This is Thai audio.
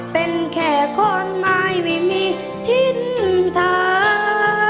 เป็นแค่คนหมายไม่มีทิ้นทาง